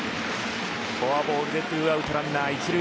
フォアボールで２アウトランナー１塁。